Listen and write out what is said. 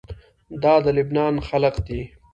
دا د لبنان خلق دي.